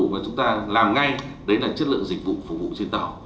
và chúng ta làm ngay đấy là chất lượng dịch vụ phục vụ trên tàu